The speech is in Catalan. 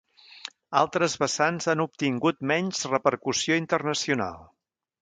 Altres vessants han obtingut menys repercussió internacional.